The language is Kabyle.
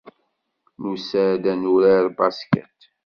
Nusa-d ad nurar basket.